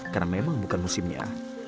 karena memang bukan musimnya